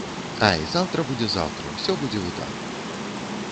Ай, заўтра будзе заўтра, усё будзе выдатна!